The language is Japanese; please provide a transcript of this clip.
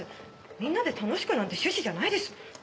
みんなで楽しくなんて趣旨じゃないです。